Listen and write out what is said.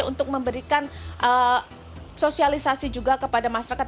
untuk memberikan sosialisasi juga kepada masyarakat